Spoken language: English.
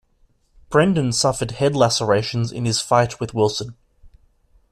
Brenden suffered head lacerations in his fight with Wilson.